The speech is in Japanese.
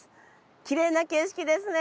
きれいな景色ですね。